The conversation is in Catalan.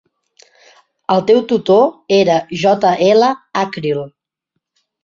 El teu tutor era J. L. Ackrill.